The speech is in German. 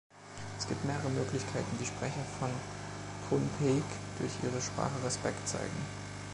Es gibt mehrere Möglichkeiten, wie Sprecher von Pohnpeic durch ihre Sprache Respekt zeigen.